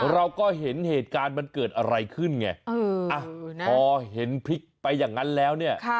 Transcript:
เราก็เห็นเหตุการณ์มันเกิดอะไรขึ้นไงพอเห็นพลิกไปอย่างนั้นแล้วเนี่ย